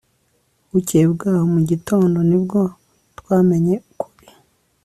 Bukeye bwaho mu gitondo ni bwo twamenye ukuri